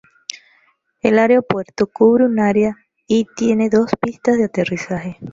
El aeropuerto cubre un área de y tiene dos pistas de aterrizaje.